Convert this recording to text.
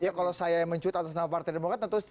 ya kalau saya yang mencuit atas nama partai demokrat tentu